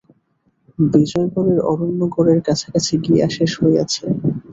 বিজয়গড়ের অরণ্য গড়ের কাছাকাছি গিয়া শেষ হইয়াছে।